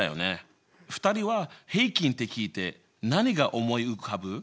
２人は平均って聞いて何が思い浮かぶ？